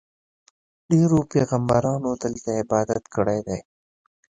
ډېرو پیغمبرانو دلته عبادت کړی دی.